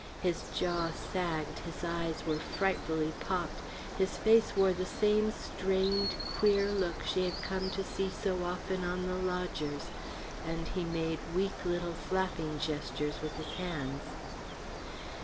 His jaw sagged, his eyes were frightfully popped, his face wore the same strained, queer look she had come to see so often on the lodger's, and he made weak little flapping gestures with his hands.